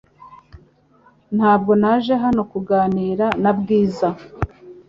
Ntabwo naje hano kuganira na Bwiza .